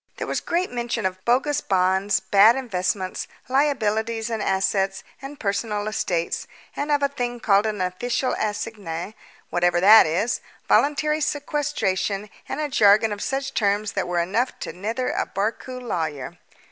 There was great mention of bogus bonds, bad investments, liabilities and assets and personal estates, and of a thing called an official assignee whatever that is voluntary sequestration, and a jargon of such terms that were enough to mither a Barcoo lawyer.